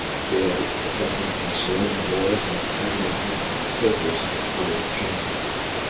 Daylight, reflecting from the surrounding walls and octagonal drum, filters into the Parliament Chamber.